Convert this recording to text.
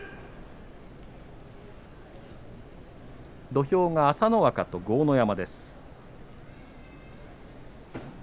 土俵が朝乃若と豪ノ山です。